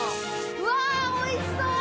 うわおいしそう！